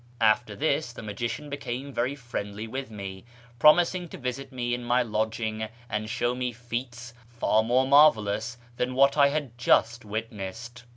After this the magician became very friendly with me, promising to visit me in my lodging and show me feats far more marvellous than what I had just witnessed.